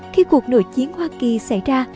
khi cuộc nội chiến hoa kỳ xảy ra